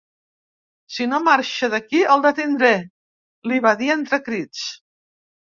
Si no marxa d’aquí el detindré, li va dir entre crits.